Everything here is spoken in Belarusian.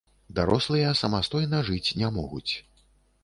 Дарослыя самастойна жыць не могуць.